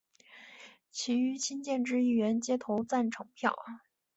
其余亲建制议员皆投赞成票。